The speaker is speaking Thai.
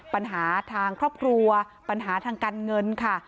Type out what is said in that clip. ปัญหาทางครอบครัวปัญหาทางการเงินค่ะ